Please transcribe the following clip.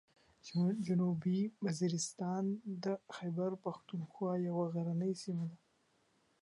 جنوبي وزیرستان د خیبر پښتونخوا یوه غرنۍ سیمه ده.